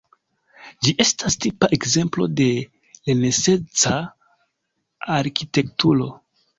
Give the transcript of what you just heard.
Ĝi estas tipa ekzemplo de renesanca arkitekturo.